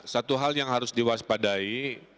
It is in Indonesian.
satu hal yang harus diwaspadai